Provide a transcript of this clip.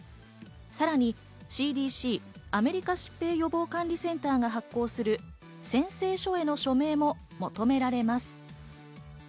さらにＣＤＣ＝アメリカ疾病予防管理センターが発行する宣誓書への署名も求められます。